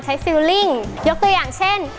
ฟิลลิ่งยกตัวอย่างเช่น